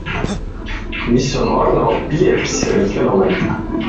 Mis on Arno Pijpersi fenomen?